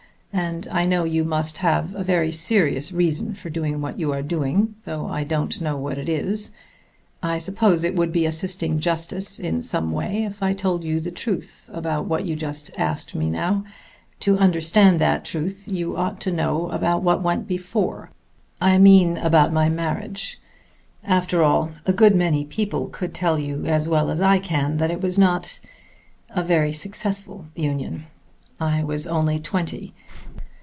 And I know you must have a very serious reason for doing what you are doing, though I don't know what it is. I suppose it would be assisting justice in some way if I told you the truth about what you asked me just now. To understand that truth you ought to know about what went before; I mean about my marriage. After all, a good many people could tell you as well as I can that it was not ... a very successful union. I was only twenty.